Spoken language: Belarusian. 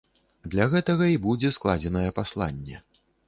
Для гэтага і будзе складзенае пасланне.